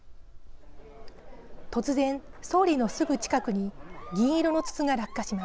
突然総理のすぐ近くに銀色の筒が落下します。